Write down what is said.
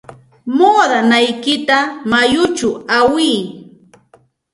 Muudanaykita mayuchaw aywiy.